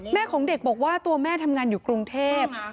ของเด็กบอกว่าตัวแม่ทำงานอยู่กรุงเทพ